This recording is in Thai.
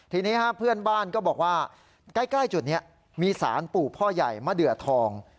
ทีนี้เพื่อนบ้านก็บอกว่าใกล้จุดนี้มีสารปู่พ่อใหญ่มะเดือทอง